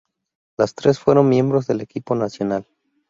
Las tres fueron miembros del equipo nacional.